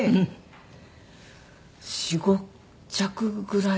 ４５着ぐらい。